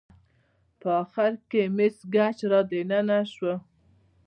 په اخره کې مس ګېج را دننه شوه.